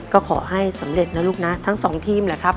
ก็ขอให้สำเร็จนะลูกนะทั้งสองทีมแหละครับ